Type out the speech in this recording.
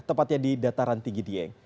tepatnya di dataran tinggi dieng